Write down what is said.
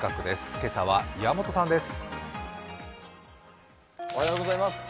今朝は岩本さんです。